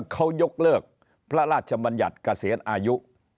เขายกเลิกพระราชบัญญัติเกษียณอายุ